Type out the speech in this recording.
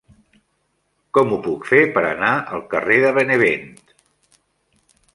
Com ho puc fer per anar al carrer de Benevent?